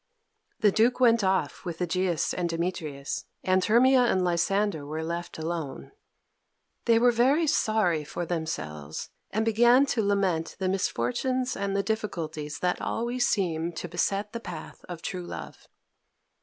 The Duke went off with Egeus and Demetrius, and Hermia and Lysander were left alone. They were very sorry for themselves, and began to lament the misfortunes and the difficulties that always seem to beset the path of true love.